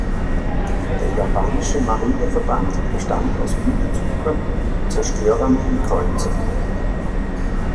Der japanische Marineverband bestand aus Minensuchern, Zerstörern und Kreuzern.